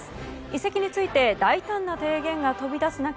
移籍について大胆な提言が飛び出す中